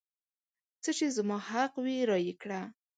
څه چې زما حق وي رایې کړه.